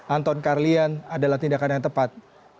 anton karlian adalah tindakan yang tepat